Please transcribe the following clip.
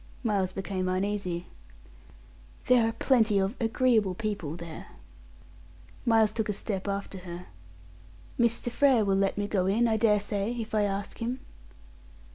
Miles became uneasy. "There are plenty of agreeable people there." Miles took a step after her. "Mr. Frere will let me go in, I dare say, if I ask him."